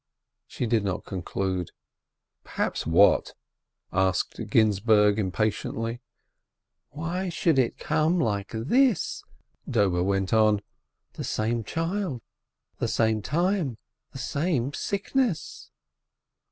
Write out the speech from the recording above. She did not conclude. "Perhaps what?" asked Ginzburg, impatiently. "Why should it come like this ?" Dobe went on. "The same time, the same sickness?"